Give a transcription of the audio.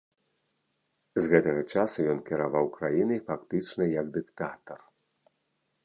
З гэтага часу ён кіраваў краінай фактычна як дыктатар.